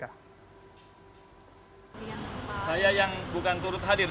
saya yang bukan turut hadir